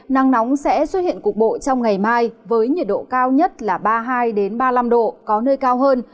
nắng nóng sẽ xuất hiện cục bộ trong ngày mai với nhiệt độ cao nhất là ba mươi hai ba mươi năm độ có nơi cao hơn